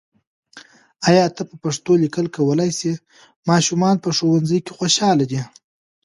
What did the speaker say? آیا ته په پښتو لیکل کولای سې؟ ماشومان په ښوونځي کې خوشاله دي.